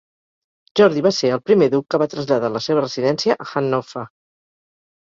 Jordi va ser el primer duc que va traslladar la seva residència a Hannover.